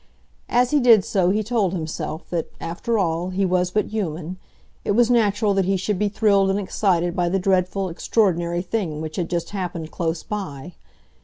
As he did so he told himself that, after all, he was but human; it was natural that he should be thrilled and excited by the dreadful, extraordinary thing which had just happened close by.